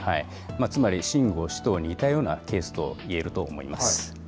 つまり秦剛氏と似たようなケースといえると思います。